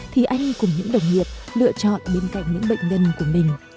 thì anh cùng những đồng nghiệp lựa chọn bên cạnh những bệnh nhân của mình